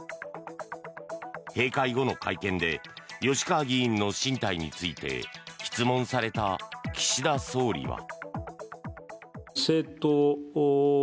閉会後の会見で吉川議員の進退について質問された岸田総理は。